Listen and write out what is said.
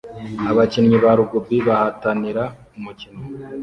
Abakinnyi ba Rugby bahatanira umukino